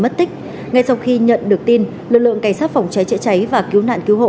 mất tích ngay sau khi nhận được tin lực lượng cảnh sát phòng cháy chữa cháy và cứu nạn cứu hộ